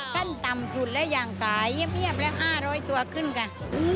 ขั้นต่ำสุดและอย่างขายเงียบแล้ว๕๐๐ตัวขึ้นค่ะ